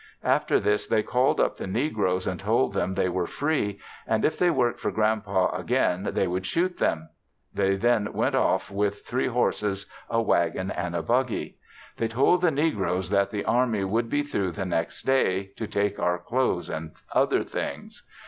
After this they called up the negroes and told them they were free, and if they worked for Grand Pa again they would shoot them. They then went off with three horses, a wagon and a buggy. They told the negroes that the army would be through the next day to take our clothes and other things.